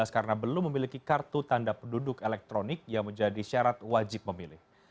karena belum memiliki kartu tanda penduduk elektronik yang menjadi syarat wajib memilih